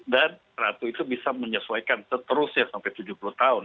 dan ratu itu bisa menyesuaikan seterusnya sampai tujuh puluh tahun